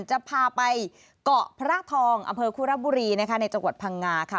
จะพาไปเกาะพระทองอำเภอคุระบุรีนะคะในจังหวัดพังงาค่ะ